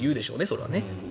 それはね。